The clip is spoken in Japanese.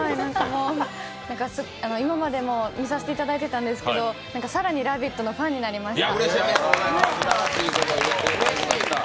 今までも見させていただいてたんですけど、更に「ラヴィット！」のファンになりました。